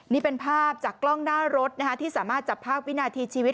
นี่เป็นภาพจากกล้องหน้ารถที่สามารถจับภาพวินาทีชีวิต